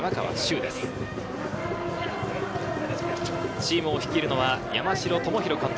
チームを率いるのは山城朋大監督